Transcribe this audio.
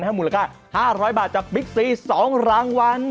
มูลค่า๕๐๐บาทจากบิ๊กซี๒รางวัล